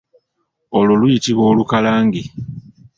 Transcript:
Olwo luyitibwa olukalangi.